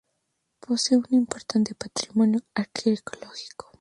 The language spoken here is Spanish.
Posee un importante patrimonio arqueológico.